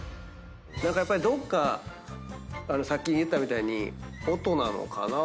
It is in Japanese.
やっぱりどっかさっき言ったみたいに音なのかな？